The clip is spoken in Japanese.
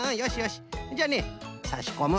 じゃあねさしこむ。